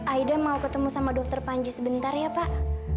aida mau ketemu sama dokter panji sebentar ya pak